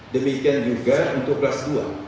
demikian juga untuk kelas dua